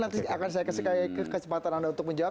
nanti akan saya kasih kesempatan anda untuk menjawab